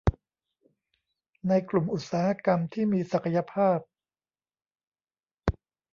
ในกลุ่มอุตสาหกรรมที่มีศักยภาพ